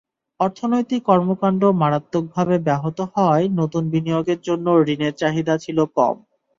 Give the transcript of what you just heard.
অর্থনৈতিক কর্মকাণ্ড মারাত্মকভাবে ব্যাহত হওয়ায় নতুন বিনিয়োগের জন্য ঋণের চাহিদা ছিল কম।